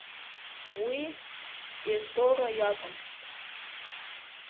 Уи Ездора иакәын.